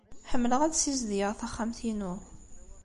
Ḥemmleɣ ad ssizedgeɣ taxxamt-inu.